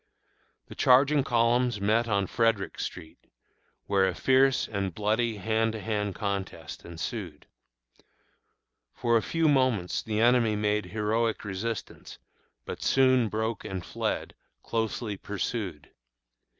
The charging columns met on Frederick street, where a fierce and bloody hand to hand contest ensued. For a few moments the enemy made heroic resistance, but soon broke and fled, closely pursued.